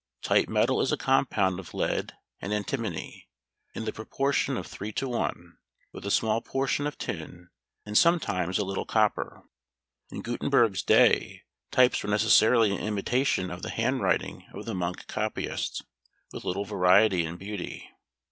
Type metal is a compound of lead and antimony, in the proportion of three to one, with a small portion of tin, and sometimes a little copper. In Gutenberg's day types were necessarily an imitation of the handwriting of the monk copyists, with little variety and beauty.